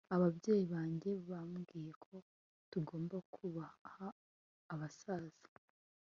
Ababyeyi banjye bambwiye ko tugomba kubaha abasaza